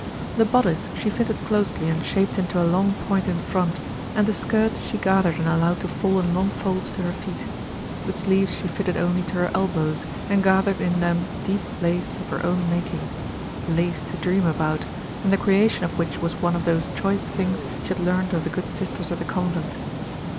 The bodice she fitted closely and shaped into a long point in front, and the skirt she gathered and allowed to fall in long folds to her feet. The sleeves she fitted only to her elbows, and gathered in them deep lace of her own making lace to dream about, and the creation of which was one of those choice things she had learned of the good sisters at the convent.